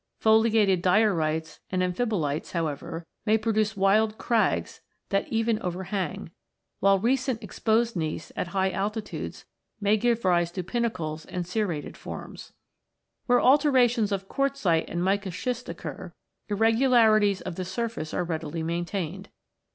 Foliated diorites and amphibolites, however, may produce wild crags that even overhang ; while recently exposed gneiss, at high altitudes, may give rise to pinnacles and serrated forms. Where alternations of quartzite and mica schist occur, irregularities of the surface are readily main tained.